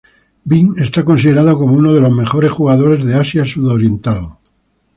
Vinh es considerado como uno de los mejores jugadores de Asia sudoriental.